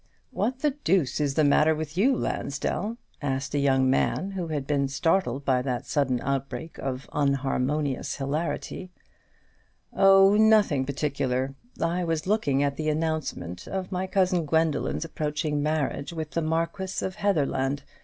"What the deuce is the matter with you, Lansdell?" asked a young man who had been startled by that sudden outbreak of unharmonious hilarity. "Oh, nothing particular; I was looking at the announcement of my cousin Gwendoline's approaching marriage with the Marquis of Heatherland.